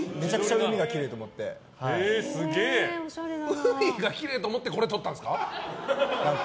海が奇麗と思ってこれ撮ったんすか？